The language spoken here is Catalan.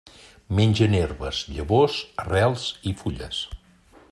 Mengen herbes, llavors, arrels i fulles.